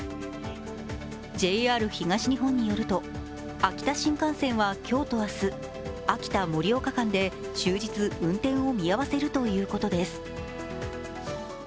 ＪＲ東日本によると、秋田新幹線は今日と明日、秋田−盛岡間で終日、運転を見合わせるということです。